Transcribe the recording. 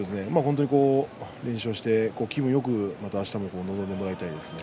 連勝して気分よくあしたも臨んでほしいですね。